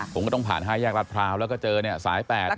ผมก็ต้องผ่าน๕แยกรัฐพร้าวแล้วก็เจอเนี่ยสาย๘เนี่ย